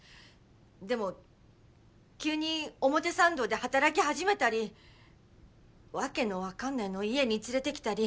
でも急に表参道で働き始めたり訳の分かんないの家に連れてきたり。